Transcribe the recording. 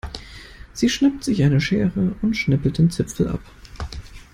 Sie schnappt sich eine Schere und schnippelt den Zipfel ab.